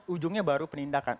ujungnya baru penindakan